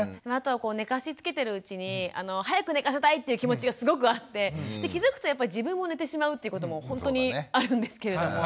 寝かしつけてるうちに早く寝かせたいという気持ちがすごくあってで気づくとやっぱり自分も寝てしまうということも本当にあるんですけれども。